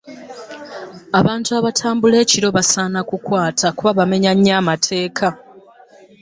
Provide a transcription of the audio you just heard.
Abantu abatabula ekiro basaana kukwata kuba bamenya nnyo amateeka.